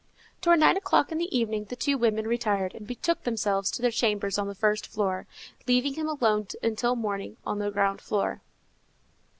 Toward nine o'clock in the evening the two women retired and betook themselves to their chambers on the first floor, leaving him alone until morning on the ground floor.